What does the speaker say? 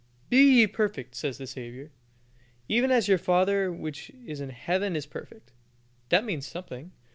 "Be ye perfect," says the Saviour, "even as your Father which is in Heaven is perfect." That means something.